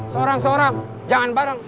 seorang seorang jangan bareng